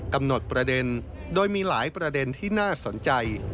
กำหนดประเด็นโดยมีหลายประเด็นที่น่าสนใจ